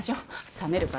冷めるから。